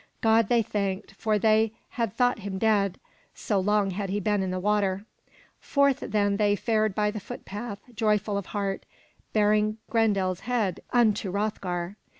God they thanked, for they had thought him dead, so long had he been in the water. Forth then they fared by the footpath, joyful of heart, bearing GrendeFs head unto Hroth'gar.